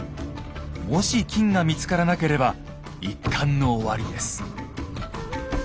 もし金が見つからなければ一巻の終わりです。